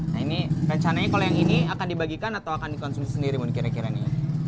nah ini rencananya kalau yang ini akan dibagikan atau akan dikonsumsi sendiri kira kira nih